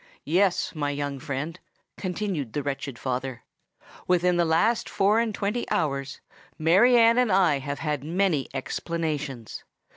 "Yes, my young friend," continued the wretched father; "within the last four and twenty hours, Mary Anne and I have had many explanations.